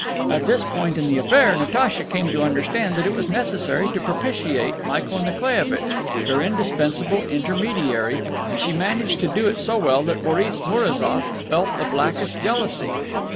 At this point in the affair Natacha came to understand that it was necessary to propitiate Michael Nikolaievitch, her indispensable intermediary, and she managed to do it so well that Boris Mourazoff felt the blackest jealousy.